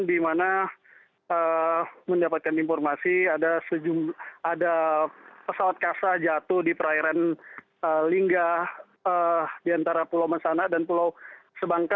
di mana mendapatkan informasi ada pesawat kasa jatuh di perairan lingga di antara pulau mensanak dan pulau sebangka